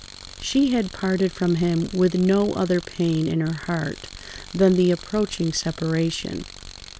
She had parted from him with no other pain in her heart than the approaching separation.